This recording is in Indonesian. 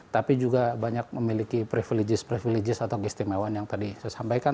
tapi juga banyak memiliki privileges privileges atau keistimewaan yang tadi saya sampaikan